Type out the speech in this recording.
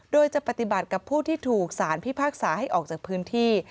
โดยจะปฏิบัติกับผู้ที่ถูกสารพิพากษาให้ออกจากพื้นที่